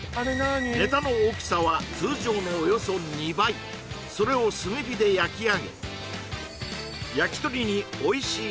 ネタの大きさは通常のおよそ２倍それを炭火で焼き上げやきとりにおいしい